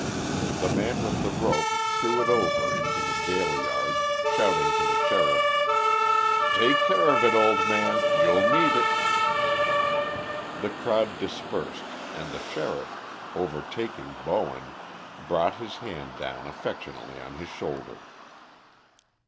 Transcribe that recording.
The man with the rope threw it over into the gaol yard, shouting to the sheriff, "Take care of it, old man, you'll need it." The crowd dispersed, and the sheriff, overtaking Bowen, brought his hand down affectionately on his shoulder.